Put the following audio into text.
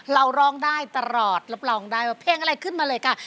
เราร้องได้ตลอดรับรองได้ว่าเพลงอะไรขึ้นมาเลยค่ะ